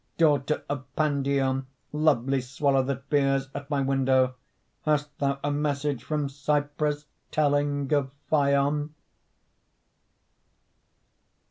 Daughter of Pandion, lovely Swallow that veers at my window, Hast thou a message from Cyprus Telling of Phaon?